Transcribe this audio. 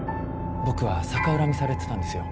僕は逆恨みされてたんですよ。